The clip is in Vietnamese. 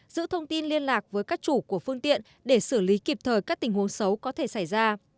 giữ thông tin liên lạc với các chủ của phương tiện để xử lý kịp thời các tình huống xấu có thể xảy ra